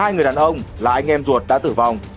hai người đàn ông là anh em ruột đã tử vong